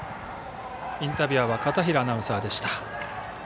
インタビュアーは片平アナウンサーでした。